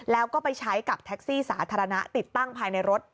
แล้วก็ไปใช้กับแท็กซี่สาธารณะติดตั้งภายในรถ